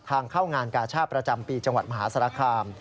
ทางเข้างานกาชาติประจำปีจังหวัดมหาสารคาม